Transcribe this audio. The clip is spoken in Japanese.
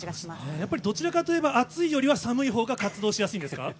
やっぱりどちらかといえば、暑いよりは寒いほうが活動しやすいんですか？